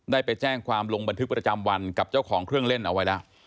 ได้ไปแจ้งความลงบันทึกประจำวันกับเจ้าของเครื่องเล่นเอาไว้แล้ว